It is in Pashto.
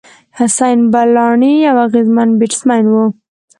حسېن بلاڼي یو اغېزمن بېټسمېن وو.